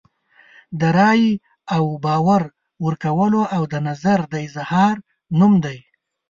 د رایې او باور ورکولو او د نظر د اظهار نوم دی.